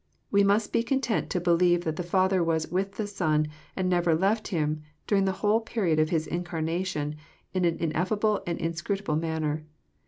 We must be con tent to believe that the Father was *' with " the Son, and never left " Him during the whole period of His incarnation, in an ineffable and inscrutable manner.